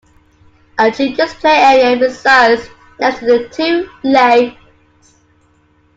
A children's play area resides next to the two lakes.